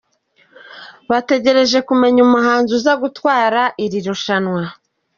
Bategereje kumenya umuhanzi uza gutwara irushanwa